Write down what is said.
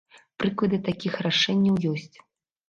Прыклады такіх рашэнняў ёсць.